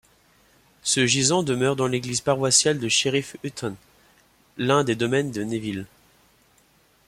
Ce gisant demeure dans l'église paroissiale de Sheriff Hutton, l'un des domaines des Neville.